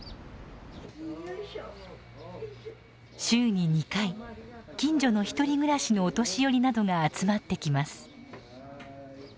週に２回近所の１人暮らしのお年寄りなどが集まってきます。